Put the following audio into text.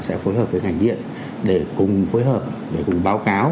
sẽ phối hợp với ngành điện để cùng phối hợp để cùng báo cáo